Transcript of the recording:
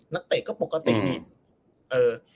นักเตะก็ปกตินิ